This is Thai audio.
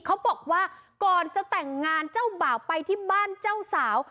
เขาบอกว่าก่อนจะแต่งงานเจ้าบ่าวไปที่บ้านเจ้าสาว